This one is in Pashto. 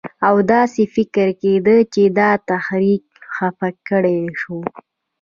او داسې فکر کېده چې دا تحریک خفه کړی شو.